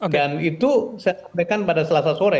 dan itu saya sampaikan pada selasa sore